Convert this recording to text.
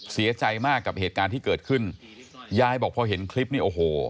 เสียใจมากกับเหตุการณ์ที่เกิดขึ้นยายบอกพอเห็นคลิปนี้โอ้โห